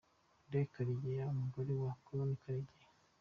Lea Karegeya umugore wa Col. Karegeya